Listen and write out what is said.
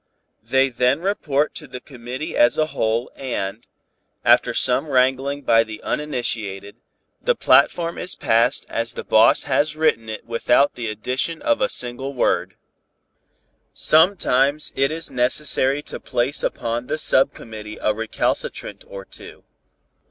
"They then report to the committee as a whole and, after some wrangling by the uninitiated, the platform is passed as the boss has written it without the addition of a single word. "Sometimes it is necessary to place upon the sub committee a recalcitrant or two.